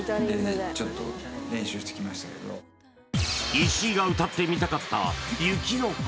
石井が歌ってみたかった「雪の華」